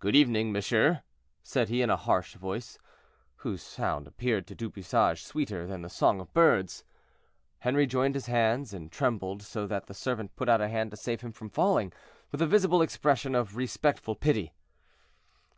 "Good evening, monsieur," said he, in a harsh voice, but whose sound appeared to Du Bouchage sweeter than the song of birds. Henri joined his hands and trembled so that the servant put out a hand to save him from falling, with a visible expression of respectful pity.